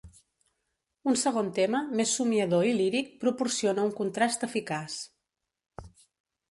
Un segon tema, més somiador i líric, proporciona un contrast eficaç.